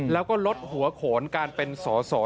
แล้วก็ลดหัวโขนการเป็นสอสอ